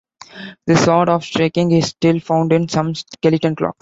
This sort of striking is still found in some skeleton clocks.